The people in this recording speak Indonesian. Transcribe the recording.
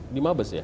di mabes ya